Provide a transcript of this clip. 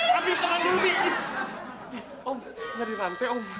om jangan dirantai om